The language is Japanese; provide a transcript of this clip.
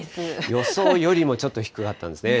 予想よりも、ちょっと低かったんですね。